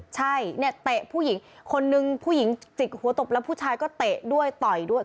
ใช่เนี่ยเตะผู้หญิงคนนึงผู้หญิงจิกหัวตบแล้วผู้ชายก็เตะด้วยต่อยด้วย